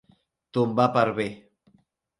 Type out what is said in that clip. Tombar per bé.